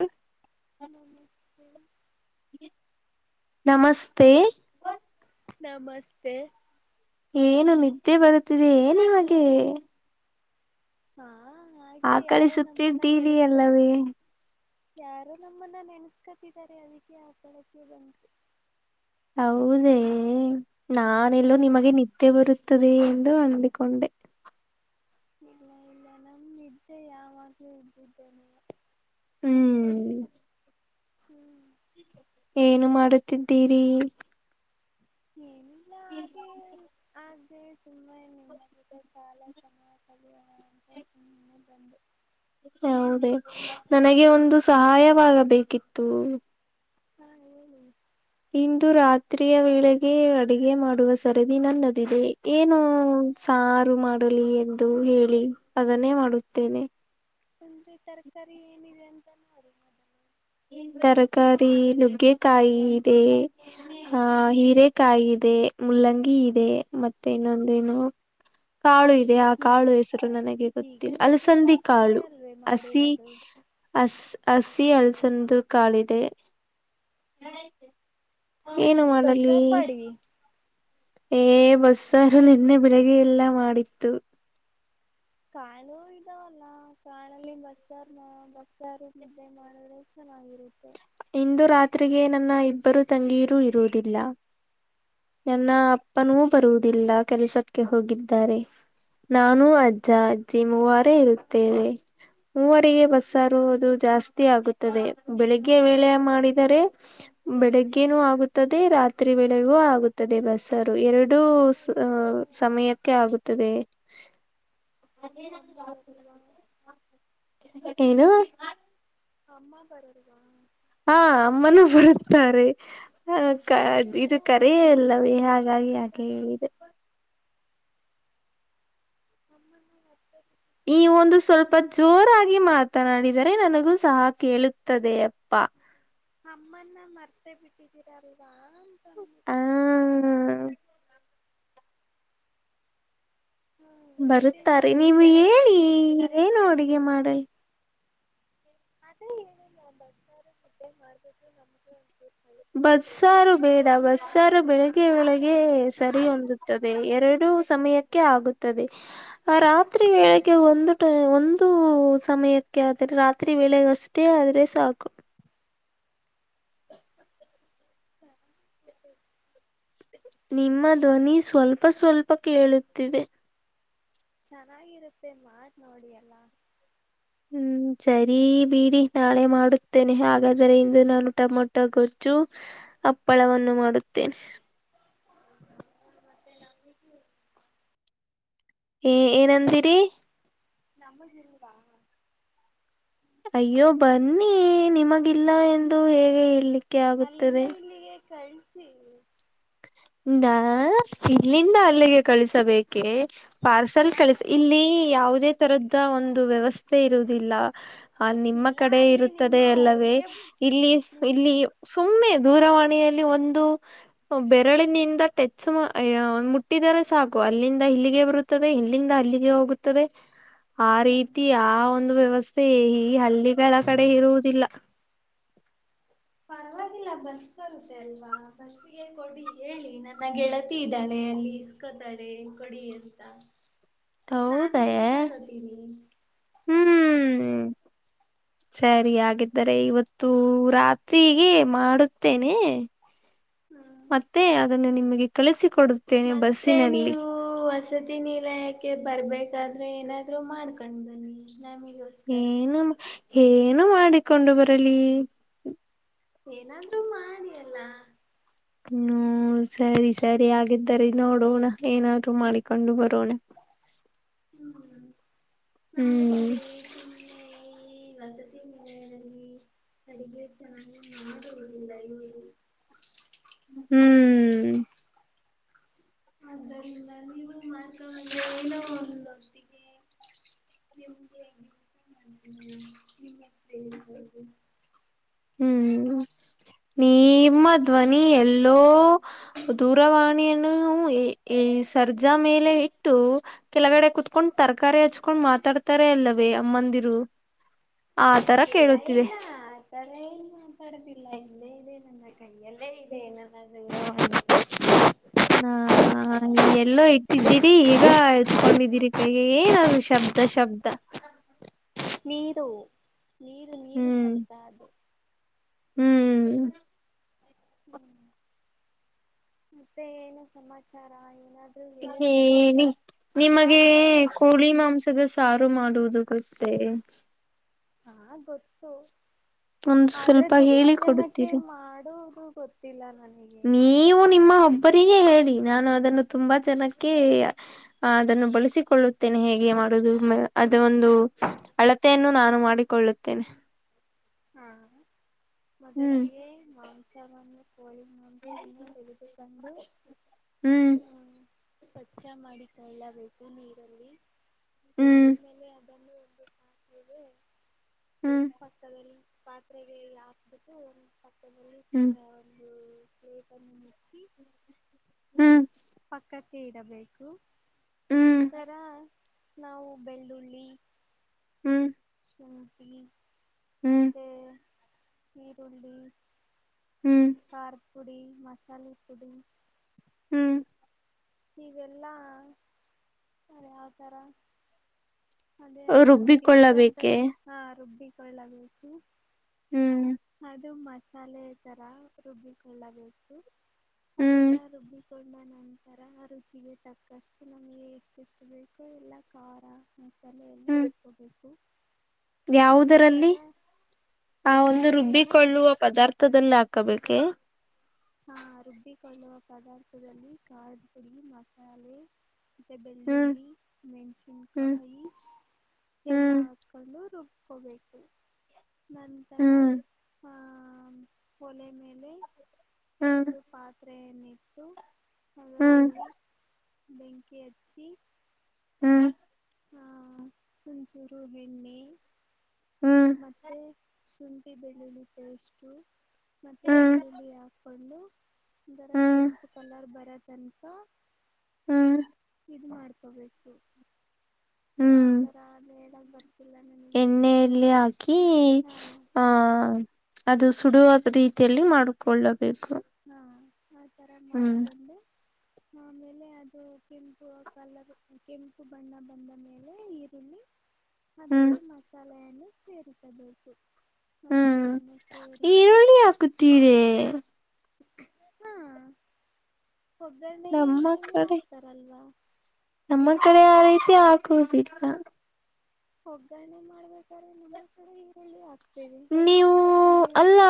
ಹಾ ನಮಸ್ತೆ ನಮಸ್ತೆ. ನಮಸ್ತೆ ಏನು ನಿದ್ದೆ ಬರುತ್ತಿದೆ ಏನು ಇವಗೆ ಹಾ ಹಾಗೆ ಯಾರು ನಮ್ಮನ್ನ ಆಕಳಿಸುತ್ತಿದ್ದೀರಿ ನೆನೆಸ್ತ ಅಲ್ಲವೇ ಯಾರೋ ನಮ್ಮನ್ನ ನೆನಸ್ಕತಿದ್ದಾರೆ ಅದಕ್ಕೆ ಅಪಗತ್ಯ ಬಂತು ಹೌದೇ ನಾನೆಲ್ಲೋ ಹಾ ನಿಮಗೆ ನಿತ್ಯ ಬರುತ್ತದೆ ಎಂದು ಅಂದಿಕೊಂಡೆ ಇಲ್ಲ ಇಲ್ಲ ನಮ ನಿದ್ದೆ ಯಾವಾಗ್ಲೂ ಇದ್ದಿದ್ದೇನೆ. ಹೂ ಹ್ಮ್ ಏನು ಮಾಡುತ್ತಿದ್ದೀರಿ ಏನು ಇಲ್ಲ ಹ್ಮ ಹ್ಮ್ ಆದರೆ ಸುಮ್ಮನೆ ನಿಮ್ಮದಗ ಕಾಲ ಸಮಯ ಕಳಿಯೋಣ ಅಂತ ಸುಮ್ಮನೆ ಬಂದು ಹೌದೇ ನನಗೆ ಒಂದು ಸಹಾಯವಾಗಬೇಕಿತ್ತು ಹಾ ಹೇಳಏನು ಇಂದು ರಾತ್ರಿಯ ವೇಳೆಗೆ ಅಡಗೆ ಮಾಡುವ ಸರದಿ ನನ್ನದಿದೆ ಏನು ಸಾರು ಮಾಡಲಿ ಎಂದು ಹೇಳಿ ಅದನ್ನೇ ಮಾಡುತ್ತೇನೆ ತಂದ್ರಿ ತರಕಾರಿ ಏನಿದೆ ಅಂತ ಮಾಡ ತರಕಾರಿ ನುಗ್ಗೆಕಾಯಿ ಇದೆ ಹ ಹೀರೆಕಾಯಿ ಇದೆ ಮುಲ್ಲಂಗಿ ಇದೆ ಮತ್ತೆ ಇನ್ನೊಂದು ನು ಕಾಳು ಇದೆ ಆ ಹೀಗ್ ಕಾಳು ಹೆಸರು ನನಗೆ ಈಗ ಗೊತ್ತಿಲ್ಲ ಅಲಸಂದಿ ನುಗ್ಗೆಕಾಯಿ ಸಾರೆ ಕಾಳು ಅಲ್ವೇ ಹಸಿ ಮಾಡಿರೋದು ಅಸ್ ಹಸಿ ಅಳ್ಸಂದು ಕಾಲಿದೆ ಏನು ಮಾಡಲಿ ಬಸ್ಸಾರ್ ಮಾಡಿ ಏ ಬಸ್ಸಾರು ನಿನ್ನೆ ಬೆಳಗ್ಗೆ ಎಲ್ಲಾ ಮಾಡಿತ್ತು ಕಾಳು ಇದಾವಲ್ಲ ಕಾಳಲ್ಲಿ ಬಸಾರ್ ನ ಬಸಾರ ಮುದ್ದೆ ಮಾಡದರೆ ಚೆನ್ನಾಗಿರುತ್ತೆ. ಇಂದು ರಾತ್ರಿಗೆ ನನ್ನ ಇಬ್ಬರು ತಂಗೀರು ಇರುವುದಿಲ್ಲ. ಹಾ ನನ್ನ ಅಪ್ಪನೂ ಬರುದಿಲ್ಲ ಕೆಲಸಕ್ಕೆ ಹೋಗಿದ್ದಾರೆ ನಾನು ಅಜ್ಜ ಅಜ್ಜಿ ಮೂವರೇ ಇರುತ್ತೇವೆ ಮೂವರಿಗೆ ಬ ಅಮ್ಮ ಸಾರದು ಜಾಸ್ತಿ ಆಗುತ್ತದೆ ಬೆಳಿಗ್ಗೆ ವೇಳೆ ಅಮ್ಮ ಮಾಡಿದ ರೆ ಬೆಳಿಗ್ಗೆನೂ ಆಗುತ್ತದೆ ರಾತ್ರಿ ಬೆಳೆಗೂ ಆಗುತ್ತದೆ ಬಸರು ಎರಡು ಅಮ್ಮ ಎಡು ಇರಲ್ವಾ ಸಮಯಕ್ಕೆ ಆಗುತ್ತದೆ ಅಮ್ಮ ಅಮ್ಮ ಬ ಬಲ್ವಾ ಏನು ಅಮ್ಮ ಬರರುದಾ ಹಾ ಅಮ್ಮನೂ ಬರುತ್ತಾರೆ ಹ ಮತ್ತೆ ಇದು ನೀವು ಕರ ಅಮ್ಮನ ಅಲ್ಲವೇ ಮರ್ತೇ ಹಾಗಾಗಿ ಯಾಕೆ ಬಿಟ್ಟಿದ್ದೀರಾ ಹೇಳಿದೆ ಹಮ್ಮ ಹತ್ತ ಈ ಒಂದು ಸ್ವಲ್ಪ ಜೋರಾಗಿ ಮಾತನಾಡಿದರೆ ನನಗೂ ಸಹ ಕೇಳದೆಯಪ್ಪ ಅಮ್ಮನ್ನ ಮರ್ತೆೇ ಬಿಟ್ಟಿದ್ದೀರಲ್ವಾ ಅಂತಂದು ಆ ಹ್ಮ್ ಮತ್ತೆ ಬರುತ್ತಾರೆ ನಿಮ್ಮ ನೀವು ಗೆಳೆಯ ಹೇಳಿ ಕರೆ ಏನು ಅಡುಗೆ ಮಾಡಿದ್ನೆ ಮಾಡ ಅ [unintelligible] ಏ ನಾ ಬಸಾರ ಮುುದ್ದೆ ಮಾಡ್ಬು ನಮಗೆ ಅ ಬಸ್ಸಾರು ಬೇಡ ಬಸ್ಸಾರು ಬೆಳಗ್ಗೆ ಒಳಗೆ ಸರಿ ಹೊಂದುತ್ತದೆ ಎರಡು ಸಮಯಕ್ಕೆ ಕ ಆಗುತ್ತದೆ ರಾತ್ರಿ ವೇಳೆಗೆ ಒಂದು ಒಂದು ಸಮಯಕ್ಕೆ ಆದ್ರೆ ರಾತ್ರಿ ವೇಳೆಗಷ್ಟೇ ಆದ್ರೆ ಸಾಕು ಹ ನಿಮ್ಮ ಧ್ವನಿ ಸ್ವಲ್ಪ ಸ್ವಲ್ಪ ಕೇಳುತ್ತಿದೆ ಚೆನ್ನಾಗಿರುತ್ತೆ ಮಾತ್ ನೋಡಿ ಎಲ್ಲ ಹ್ಮ್ ಸರಿ ಬಿಡಿ ನಾಳೆ ಮಾಡುತ್ತೇನೆ ಹಾಗಾದ್ರೆ ಇಂದು ನಾನು ಟಮಟೊ ಗೊಚ್ಚು ಅಪ್ಪಳವನ್ನು ಮಾಡುತ್ತೇನೆ ಮದಂಗ್ಜ ಏ ಏನಂದಿರಿ ನಮ್ಮ ಇವಾ ಅಯ್ಯೋ ಬನ್ನಿ ನಿಮಗಿಲ್ಲ ಎಂದು ಹೇಗೆ ಹೇಳಲಿಕ್ಕೆ ಅಲ್ಲಿಂದ ಆಗುತ್ತದೆ ಇಲ್ಲಿಗೆ ಕಳ್ಸಿ ನಾ ಇಲ್ಲಿಂದ ಅಲ್ಲಿಗೆ ಕಳಿಸಬೇಕೇ ಪಾರ್ಸಲ್ ಹಾ ಕಳಿಸಿ ಇಲ್ಲಿ ಯಾವುದೇ ತರದ ಒಂದು ವ್ಯವಸ್ಥೆ ಇರುವುದಿಲ್ಲ ಹ ನಿಮ್ಮ ಇಲ್ಲ ಕಡೆ ಅಲ್ಲಿ ನಿಮ್ಮ ಇರುತ್ತದೆ ಅಲ್ಲವೇ ಊರಿಗೆ ಇಲ್ಲಿ ನಿಮ್ಮ ಇಲ್ಲಿ ಸುಮ್ಮನೆ ದೂರವಾಣಿಯಲ್ಲಿ ಒಂದುರೆ ಎರಳಿನಿಂದ ಟೆಚ್ ಮುಟ್ಟಿದರೆ ಸಾಕು ಅಲ್ಲಿಂದ ಇಲ್ಲಿಗೆ ಬರುತ್ತದೆ ಇಲ್ಲಿಂದ ಅಲ್ಲಿಗೆ ಹೋಗುತ್ತದೆ ಹ ಆ ರೀತಿ ಆ ಒಂದು ವ್ಯವಸ್ಥೆ ಈ ಹಳ್ಳಿಗಳ ಕಡೆ ಇರುವುದಿಲ್ಲ ಪರವಾಗಿಲ್ಲ ಬಸ್ ಬರುತ್ತೆ ಅಲ್ವಾ ಬಸ್ ಕೊಡಿ ಹೇಳಿ ನನ್ನಗೆಗೆಳತಿ ಇದ್ದಾಳೆ ಅಲ್ಲಿ ಇಸ್ಕೊತಾಳೆ ಏ ಕೊಡಿ ಅಂತ ನಾನು ಇಲ್ಲಿ ತಾಗತೀನಿ ಹ್ಮ್್ಮ್್ಮ [inaudible] ಸರಿ ಹಾಗಿದ್ದರೆ ಇವತ್ತು ರಾತ್ಗೆ ಮಾಡುತ್ತೇನೆ ಹ್ಮ್ ಅದನ್ನ ನಿಮಗೆ ಕಳಿಸಿಕೊಡ ಮತ್ತೆ ನೀವು ಹೊಸ ಸತಿ ನೀಲ ಯಾಕೆ ಬರ್ಬೇಕಾದ್ರೆ ಏನಾದ್ರರು ಮಾಡ್ಕೊಂಡು ಬನ್ನಿ ನಮಗ ಏನು ಏನು ಮಾಡಿಕೊಂಡು ಬರಲಿ ಏನಾದ್ರೂ ಮಾಡಿಯಲ್ಲ ಹ್ಮ್ ಸರಿ ಸರಿ ಹಾಗಗಿದ್ದರಿ ನೋಡೋಣ ಏನಾದ್ ಮಾಡಿಕೊಂಡು ಬರೋಣ ಹ್ಮ್ ನ ಹ್ಮ್ ಈ ವಸತಿ ಮಲಲ್ಲಿ ತಡುಗ ನನ್ನದ [unintelligible] ಹ್ಮ್ ಆದ್ದರಿಂದ ನೀವು ಮಾಡ್ಕಂದ್ರೆ ಏನ ಒಂದುತ್ತಿಗೆ ನಿಮ್ಗೆ [inaudible] ನಿಮ್ಮ ಹೆಸರು ಏನು ಹ್ಮ್ [inaudible] ನಿಮ್ಮ ಧ್ವನಿ ಎಲ್ಲೋ ದೂರವಾಣಿಯನ್ನು ಸರ್ಜಾ ಮೇಲೆ ಇಟ್ಟು ಕೆಲಗಡೆ ಕುೂತ್ಕೊಂಡ್ ತರಕಾರಿ ಹಚ್ಕೊಂಡ್ ಮಾತಾಡ್ತಾರೆ ಅಲ್ಲವೇ ಅಮ್ಮಂದಿರು ಆ ತರ ಕೇಳುತ್ತಿದೆ ತಲ ಏನ್ ಮಾತಾಡೋದಿಲ್ಲ ಇಲ್ಲೇ ಇದೆ ನನ್ನ ಕೈಯಲ್ಲೇ ಇದೆ ನನ್ನ ನಾ ಎಲ್ಲೋ ಇಟ್ಟಿದ್ದೀರಿ ಈಗ ಎತ್ತು ಕೊಂಡಿದ್ದೀರಿ ಕೈಗೆ ಏನದು ಶಬ್ದ ಶಬ್ದ ನೀರು ನೀರು ನೀರು ಹ್ಮ್ ಶಬ್ದ ಅದು ಹ್ಮ್ ಹ್ಮ್ ಮತ್ತೆ ಏನು ಸಮಾಚಾರ ಏನಾದ ಹ ನಿಮಗೆ ಯಾವ್ದಾರು ಕೋಳಿ ಮಾಂಸದ ಸಾರು ಮಾಡುವುದು ಗೊತ್ತೆ ಹಾ ಗೊತ್ತು ಒಂದು ಆದ್ರೆ ಸ್ವಲ್ಪ ತುಂಬಾ ಹೇಳಿ ಜನಕ್ಕೆ ಕೊಡುತ್ತೀರಿ ಮಾಡುವುದು ಗೊತ್ತು ಗೊತ್ತಿಲ್ಲ ನನಗೆ ನೀವು ನಿಮ್ಮ ಒಬ್ಬರಿಗೆ ಹೇಳಿ ನಾನು ಅದನ್ನು ತುಂಬಾ ಜನಕ್ಕೆ ಅದನ್ನು ಬಳಸಿಕೊಳ್ಳುತ್ತೇನೆ ಹೇಗೆ ಮಾಡುದು ಅದ ಒಂದು ಅಳತೆಯನ್ನು ನಾನು ಮಾಡಿಕೊಳ್ಳುತ್ತೇನೆ ಹ ಹ್ಮ್ ಮೊದಲಿಗೆೇ ಮಾಂಸವನ್ನು ಕೋಳಿ ಮಾಂಸವನ್ನು ತೆಗೆದು ಕೊಂಡು ಹ್ಮ್ ಹ್ಮ್ ಸ್ವಚ್ಛ ಮಾಡಿಕೊಳ್ಳಬೇಕು ನೀರಲ್ಲಿ ಹ್ಮ್ ಆಮೇಲೆ ಅದನ್ನು ಒಂದು ಹಿದೆ ಹ್ಮ್ ಪಕ್ಕದಲ್ಲಿ ಪಾತ್ರೆಗಳಲ್ಲ ಹಾಕ್ಬಿಟ್ಟು ಒಂದು ಪಕ್ಕದಲ್ಲಿ ಹ್ಮ್ ಒಂದು ಪ್ಲೇಟ್ ಅನ್ನು ಮುಚ್ಚಿ ಹ್ಮ್ ಪಕ್ಕಕ್ಕೆ ಇಡಬೇಕು ಹ್ಮ್ ನಂತರ ನಾವು ಬೆಳ್ಳುಳ್ಳಿ ಹ್ಮ್ ಶುಂಟಿ ಹ್ಮ್ ಮತ್ತೆ ಈರುಳ್ಳಿ ಹ್ಮ್ ಕಾರ್ ಪುಡಿ ಮಸಾಲೆ ಪುಡಿ ಹ್ಮ್ ಅವೆಲ್ಲ ಆಕೀ ಯಾವ ಥರ ಅದೇ ಅದು ಗಿರ ರುಬ್ಬಿಕೊಳ್ಳಬೇಕೆ ಅಂತದೆಲ್ಲ ಹಾ ರುಬ್ಬಿಕಲ್ ಆಗ್ಬೇಕು ಹ್ಮ್ ಅದು ಮಸಾಲೆ ತರ ರುಬ್ಬಿಕೊಳ್ಳಬೇಕು ಹ್ಮ್ ಅದೆಲ್ಲ ರುಬ್ಬಿ ಕೊಂಡ ನಂತರ ತರ ರುಚಿಗೆ ತಕ್ಕಷ್ಟು ನಮ್ಗೆ ಎಷ್ಟೆಷ್ಟು ಬೇಕೋ ಇಲ್ಲ ಖಾರ ತಲ ಎಲ್ಲ ಹ್ಮ್ ಹಾಕೋಬೇಕು ಯಾವುದರಲ್ಲಿ ಆ ಒಂದು ಏನು ರುಬ್ಬಿಕೊಳ್ಳುವ ಪದಾರ್ಥ ಹತ್ತದಲ್ಲಿ ಹಾಕಬೇಕೆ ಹಾ ರುಬ್ಬಿಕೊಳ್ಳುವ ಪದಾರ್ಥದಲ್ಲಿ ಕ್ದ ಪುಡಿ ಮಸಾಲೆ ಮತ್ತ ಹ್ಮ್ ಬೆಳ್ಳುಳ್ಳಿ ಮೆಣಸಿನ ಹ್ಮ್ ಕಾಯಿ ಎಲ್ಲ ಹ್ಮ್ ಕು ರುಬ್ಕೋಬೇಕು ನಂತರ ಹ್ಮ್ ಆ ಒಲೆ ಮೇಲೆ ಹ್ಮ್ ಒಂದು ಪಾತ್ರೆಯನ್ನಿತ್ತು ಹ್ಮ್ ಬೆಂಕಿ ಅಚ್ಚ ಹ್ಮ್ ಹಾ ತಂಚೂರು ಎಣ್ಣೆ ಹ್ಮ್ ಮತ್ತೆ ಶುಂಠಿ ಬೆಳ್ಳುಳ್ಳಿ ಪೇಸ್ಟು ಮತ್ತು ಹ್ಮ್ ಈರುಳ್ಳಿ ಹಾಕ್ಕೊಂಡು ರ ಹ್ಮ್ ಕೆಂಪು ಕಲರ್ ಬರೋತಂಕ ಹ್ಮ್ ಇ ಮಾಡ್ಕೋಬೇಕು ಯಾವ ಹ್ಮ್ ತರ ಅ ಹೇಳ ಬರ್ ಎಣ್ಣೆಯಲ್ಲಿ ಹಾಕಿ ಹಾಂ ಆಹ ಅದು ಸುಡುವಾದ ರೀತಿಯಲ್ಲಿ ಮಾಡಿಕೊಳ್ಳಬೇಕು ಹಾ ಆಥರ ಹ್ಮ್ ಮಾಡ್ಕೊಂಡೆ ಆಮೇಲೆ ಅದು ಕೆಂಪು ಕಲರ್ ಕೆಂಪು ಬಣ್ಣ ಬಂದ ಮೇಲೆ ಈರುಳ್ಳಿ [inaudible] ಹ್ಮ್ ಅದಕ್ಕೆ ಮಸಾಲೆಯನ್ನು ಸೇರಿಸಬೇಕು ಮಸಾಲೆಯನ್ನು ಸೇರಿಸಿ ತೀಳೆ ಹಾ ಒಗ್ಗರಣೆಗೆ ನಮ್ಮ ಈರುಳ್ಳಿ ಕಡೆ ಆಗ್ತಾರಲ್ವಾ ನಮ್ಮ ಕಡೆ ಆ ರೀತಿ ಹಾಕುವುದಿಲ್ಲ ಒಗ್ಗರಣೆ ಮಾಡ್ಬೇಕಾದ್ರೆ ನಮ್ಮ ಕೂಡೆ ಈರುಳ್ಳಿ ಆಗ್ತ ನೀವು ಅಲ್ಲ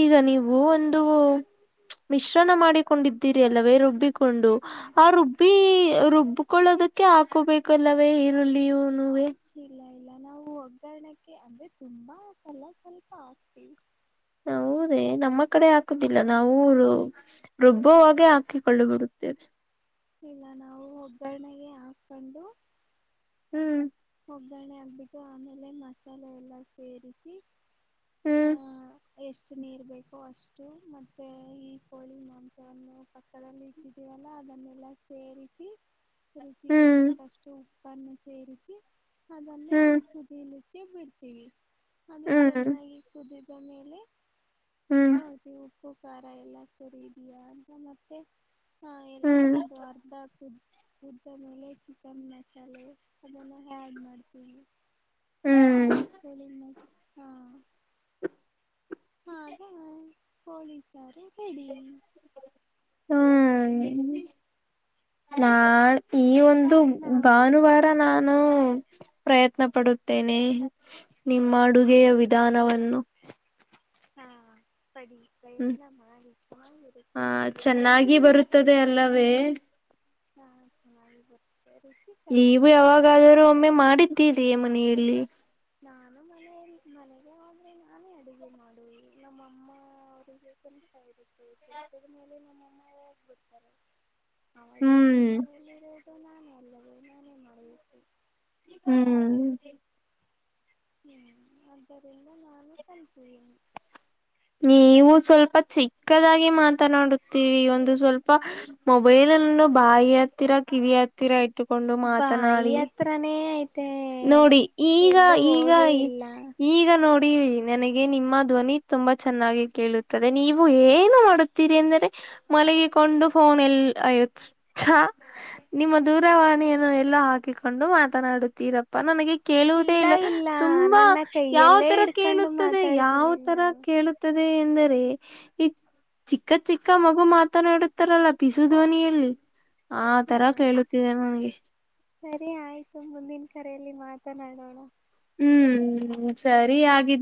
ಈಗ ನೀವು ವು ಒಂದು ಮಿಶ್ರಣ ಮಾಡಿಕೊಂಡಿದ್ದೀರಿ ಅಲ್ಲವೇ ರುಬ್ಬಿಕೊಂಡು ಹ್ಞೂ ಆ ರುಬ್ಬ ಬೀ ರುಬ್ಕೊಳ್ಳೋದಕ್ಕೆ ಹಾಕೋಬೇಕಲ್ಲವೇ ಈರುಳ್ಳಿಯು ನೇ ಇಲ್ಲ ಇಲ್ಲ ನಾವು ಒಗ್ಗಣಕ್ಕೆ ಅಂದ್ರೆ ತುಂಬಾ ಲ ಸ್ವಲ್ಪ ಆಗ್ತಿವಿ ಹ ಊದೇ ನಮ್ಮ ಕಡೆ ಹಾಕುದಿಲ್ಲ ಹಾಂ ನಾವ ಊರು ರುಬ್ಬುವಾಗೆ ಹಾಕಿಕೊಳ್ಳು ಬಿಡುತ್ತೇವೆ ಇಲ್ಲ ನಾವು ಒಗ್ಗರಣೆಗೆ ಹಾಕೊಂಡು ಹ್ಮ್ ಒಗ್ಗರಣೆ ಆಗ್ಬಿಟ್ಟು ಆಮೇಲೆ ಮಸಾಲೆ ಎಲ್ಲ ಸೇರಿಸಿ ಆ ಹ್ಮ್ ಎಷ್ಟು ನೀರು ಬೇಕೋ ಅಷ್ಟು ಮತ್ತು ಈ ಕೋಳಿ ಮಾಂಸವನ್ನು ಪಕ್ಕದಲ್ಲಿ ವಲ್ಲ ಅದನ್ನೆಲ್ಲ ಸೇರಿಸಿ ರುಚಿಗೆ ತಕ್ಕಷ್ಟು ಉಪ್ಪನ್ನು ಸೇರಿಸಿ ಅದನ್ನು ಹ್ಮ್ ಲಿಕ್ಕೆ ಬಿಡ್ತೀವಿ ಅದು ಹ್ಮ್ ಹ್ಮ್ ಚೆನ್ನಾಗಿ ಕುದಿದ ಮೇಲೆ ಹ್ಮ್ ಹೌದದು ಉಪ್ಪು ಖಾರ ಎಲ್ಲ ಸರಿದ್ಯಾ ಅಂತ ಮತ್ತೆ ಹಾ ಇ ಹ್ಮ್ ಒಂದು ಅರ್ಧ ಆಗ್ತುದು ಉದ್ದ ಮೇಲೆ ಚಿಕನ್ ಮಸಾಲೆ ಅದನ್ನು ಆ್ಯಡ್ ಮಾಡ್ತೀವಿ ಹ್ಮ್ ಕ ಹಾ ಹಾಗೆ ಪೊಲೀಸರ ಹೇಳಿ ಹ್ಮ್ ನಾ ಈ ಒಂದು ಒಂದು ನಾವು ಭಾನುವಾರ ನಾನು ಪ್ರಯತ್ನ ಪಡುತ್ತೇನೆ ನಿಮ್ಮ ಅಡುಗೆಯ ವಿಧಾನವನ್ನು ಹಾ ಸಡಿ ಹ್ಮ್ ಪ್ರಯತ್ನ ಮಾಡಿ ಚೆನ್ನರುತ್ತೆ ಆ ಚೆನ್ನಾಗಿ ಬರುತ್ತದೆ ಅಲ್ಲವೇ ಹಾ ಚೆನ್ನಾಗಿ ಬರ್ತೇ ನೀವು ಯಾವಾಗಾದರೂ ಒಮ್ಮೆ ಮಾಡಿದ್ದಿದೆಯ ಮನೆಯಲ್ಲಿ ನಾನು ಮನೆಯಲ್ಲಿ ಮನೆಗೆ ಆದ್ರೆ ನಾನೇ ಅಡುಗೆ ಮಾಡುವ ನಮ್ಮಮ್ಮ ಅವರಿಗೆ ಕನಿಷ ಇರುತ್ತತ್ತು ಚಜದ ಮೇಲೆ ನಮ್ಮಅಮ್ಮ ಯಾಗ ಬರ್ತಾರೆ ಆಗ ಹ್ಮ್ ಇನ್ನು ಮನೆಯಲ್ಲಿದು ನಾನು ಅಲ್ಲದೆ ನಾನೇ ಮಳೆ ಇು ಹ್ಮ್ ಹ್ಮ್ ಅ್ದರಿಂದ ನಾನು ಕಲ್ತಿದ್ದೀನಿ ನೀವು ಸ್ವಲ್ಪ ಚಿಕ್ಕದಾಗಿ ಮಾತನಾಡುತ್ತೀರಿ ಒಂದು ಸ್ವಲ್ಪ ಮೊಬೈಲ್ ಬಾಯಿ ಹತ್ತೀರಾ ಕಿವಿ ಹತ್ತೀರಾ ಇಟ್ಟುಕೊಂಡು ಮಾತನಾಡಿ ಪತ್ರಾನೇ ಐತೆ ನೋಡಿ ಈಗ ಎಲ್ಲೂ ಈಗ ಹೋಗೇ ಇಲ್ಲ ಈಗ ನೋಡಿ ನನಗೆ ನಿಮ್ಮ ಧ್ವನಿ ತುಂಬಾ ಚೆನ್ನಾಗಿ ಕೇಳುತ್ತದೆ ನೀವು ಏನು ಮಾಡ ರಿ ಅಂದರೆ ಮಲಗಿಕೊಂಡು ಫೋನ್ ಎಲ್ ಅಯತ್ ನಿಮ್ಮ ದೂರವಾಣಿಯನ್ನು ಎಲ್ಲೋ ಹಾಕಿಕೊಂಡು ಮಾತನಾಡುತ್ತೀರಪ್ಪ ಅಪ್ಪ ನನಗೆ ಕೇಳುವುದೇ ಇಲ್ಲ ತುಂಬಾ ನನ್ನ ಯಾವ ಕೈಯಲ್ಲೇ ತರ ಇಡ್ಕೊಂಡು ಕೇಳುತ್ತದೆ ಯಾವ ಮಾತಾಡ್ತಿದ್ದೀನಿ ತರ ನಾನು ಕೇಳ ಎಂದರೆ ಈ ಚಿಕ್ಕ ಚಿಕ್ಕ ಮಗು ಮಾತನಾಡುತ್ತಾರಲ್ಲ ಪಿಸು ಧ್ವನಿಯಲ್ಲಿ ಆ ಹಾ ತರ ಕೇಳುತ್ತಿದೆ ನನ್ಗೆ ಸರಿ ಆಯ್ತು ಮುಂದಿನ ಕರೆಯಲ್ಲಿ ಮಾತನಾಡೋಣ ಹ್ಮ್ ಸರಿ ಹಾಗಗಿದ್ದ